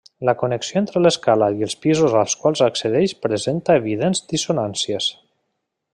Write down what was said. La connexió entre l’escala i els pisos als quals accedeix presenta evidents dissonàncies.